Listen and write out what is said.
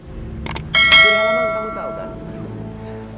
jody herlamba kamu tau kan